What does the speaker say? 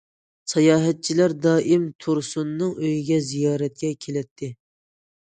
ساياھەتچىلەر دائىم تۇرسۇننىڭ ئۆيىگە زىيارەتكە كېلەتتى.